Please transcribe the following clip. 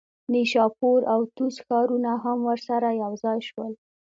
نیشاپور او طوس ښارونه هم ورسره یوځای شول.